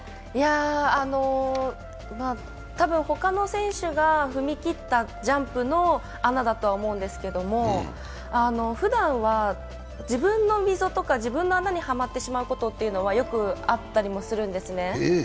たぶん、ほかの選手が踏み切ったジャンプの穴だと思うんですけど、ふだんは自分の溝とか自分の穴にはまってしまうことはよくあったりもするんですね。